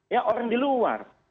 ya orang di luar